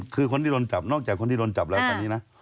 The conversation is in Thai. คือคนที่โดนจับนอกจากคนที่โดนจับแล้วตอนนี้นะ